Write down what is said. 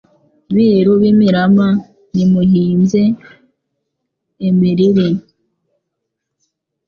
Biru b'imirama Nimuhimbye* imiriri,